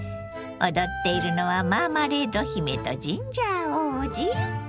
踊っているのはマーマレード姫とジンジャー王子？